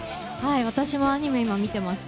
私もアニメ、今見てますね。